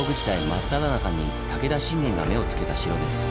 真っただ中に武田信玄が目をつけた城です。